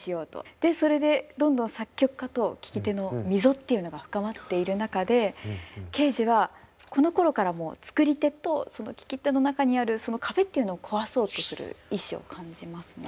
でそれでどんどん作曲家と聴き手の溝っていうのが深まっている中でケージはこのころからもうつくり手とその聴き手の中にあるその壁っていうのを壊そうとする意志を感じますね。